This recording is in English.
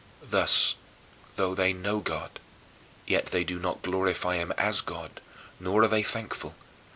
" Thus, though they know God, yet they do not glorify him as God, nor are they thankful.